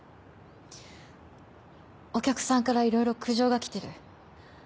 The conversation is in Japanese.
お客さんからいろいろ苦情が来てる。